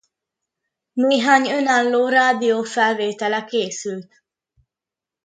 Néhány önálló rádiófelvétele készült.